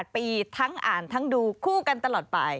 ๘ปีทั้งอ่านทั้งดูคู่กันตลอดไป